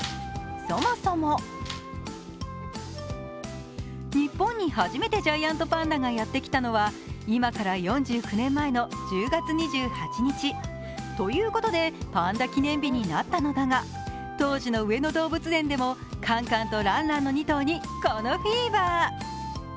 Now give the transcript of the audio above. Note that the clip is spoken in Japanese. そもそも日本に初めてジャイアントパンダがやってきたのは今から４９年前の１０月２８日、ということでパンダ記念日になったのだが当時の上野動物園でもカンカンとランランにこのフィーバー。